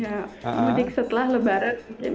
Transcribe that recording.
ya mudik setelah lebaran